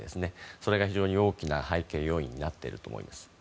それが非常に大きな背景要因になっていると思います。